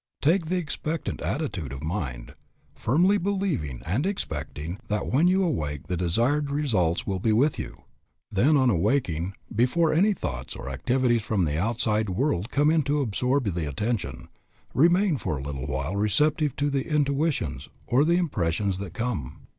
Take the expectant attitude of mind, firmly believing and expecting that when you awake the desired results will be with you. Then on awaking, before any thoughts or activities from the outside world come in to absorb the attention, remain for a little while receptive to the intuitions or the impressions that come.